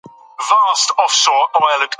ښه اوس یې اوسپموه.